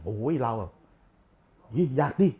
โห้ยเราแบบอยากดิ